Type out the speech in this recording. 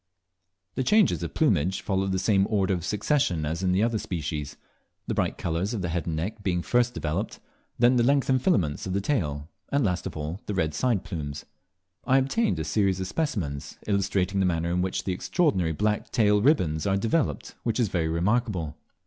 The changes of plumage follow the same order of succession as in the other species, the bright colours of the head and neck being first developed, then the lengthened filaments of the tail, and last of all, the red side plumes. I obtained a series of specimens, illustrating the manner in which the extraordinary black tail ribands are developed, which is very remarkable.